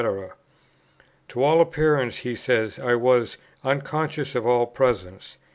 To all appearance, he says, I was "unconscious of all presences."